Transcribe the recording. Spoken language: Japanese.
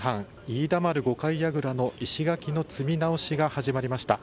飯田丸五階櫓の石垣の積み直しが始まりました。